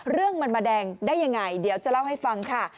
เรื่องมันมาแดงได้ยังไงเดี๋ยวจะเล่าให้ฟังค่ะ